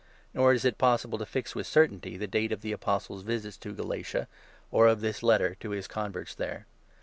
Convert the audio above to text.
Nor is it possible to fix with certainty the date of the Apostle's visits to 'Galatia,' or of this Letter to his converts there.